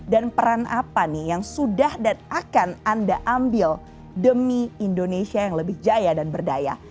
peran apa nih yang sudah dan akan anda ambil demi indonesia yang lebih jaya dan berdaya